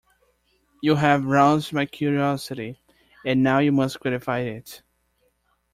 You have roused my curiosity, and now you must gratify it.